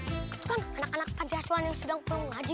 itu kan anak anak tajaswan yang sedang mengaji